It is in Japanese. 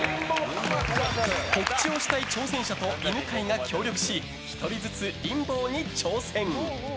告知をしたい挑戦者と犬飼が協力し１人ずつリンボーに挑戦。